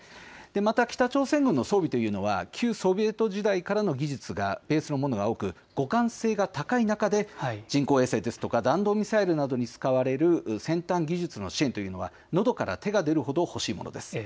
また北朝鮮軍の装備というのは旧ソビエト時代からの技術がベースのものが多く互換性が高い中で人工衛星ですとか弾道ミサイルなどに使われる先端技術の支援というのはのどから出るほど欲しいものです。